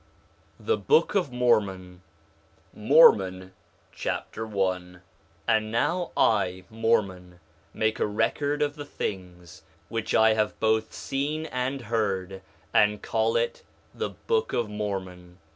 THE BOOK OF MORMON Mormon Chapter 1 1:1 And now I, Mormon, make a record of the things which I have both seen and heard, and call it the Book of Mormon.